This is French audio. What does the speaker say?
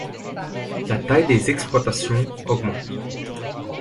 La taille des exploitations augmente.